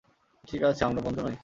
ঠিক আছে, আমরা বন্ধু নই।